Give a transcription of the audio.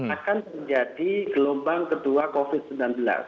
akan menjadi gelombang kedua covid sembilan belas